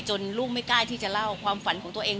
ลูกไม่กล้าที่จะเล่าความฝันของตัวเอง